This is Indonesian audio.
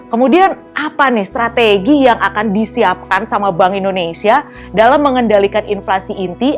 kemudian apa nih strategi yang akan disiapkan sama bank indonesia dalam mengendalikan inflasi inti